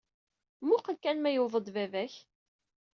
Muqqel kan ma yewweḍ-d baba-k?